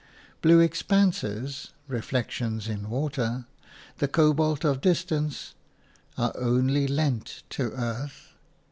Blue expanses – reflections in water, the cobalt of distance, are only lent to earth.